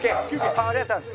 ありがとうございます。